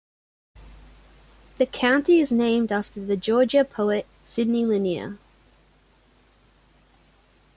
The county is named after the Georgia poet Sidney Lanier.